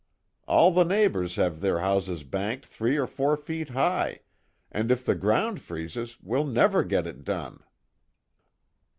All the neighbors have their houses banked three or four feet high, and if the ground freezes we'll never get it done."